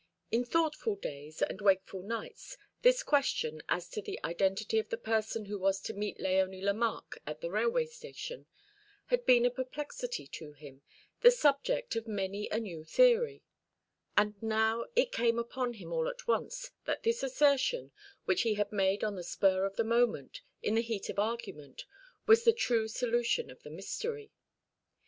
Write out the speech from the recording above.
In thoughtful days and wakeful nights this question as to the identity of the person who was to meet Léonie Lemarque at the railway station had been a perplexity to him, the subject of many a new theory: and now it came upon him all at once that this assertion, which he had made on the spur of the moment, in the heat of argument, was the true solution of the mystery.